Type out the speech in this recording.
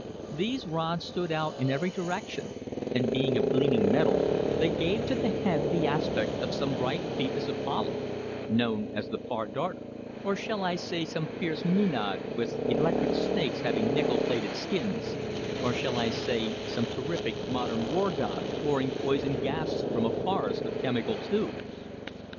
These rods stood out in every direction, and being of gleaming metal, they gave to the head the aspect of some bright Phoebus Apollo, known as the "far darter;" or shall I say some fierce Maenad with electric snakes having nickel plated skins; or shall I say some terrific modern war god, pouring poison gases from a forest of chemical tubes?